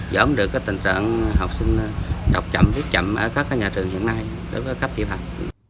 giỡn được tình trạng học sinh đọc chậm viết chậm ở các nhà trường hiện nay các tiểu học